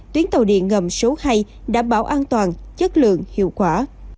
tuyến tàu điện ngầm số hai đảm bảo an toàn chất lượng hiệu quả